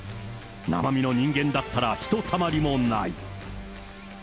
生身の人間だったらひとたまりもない。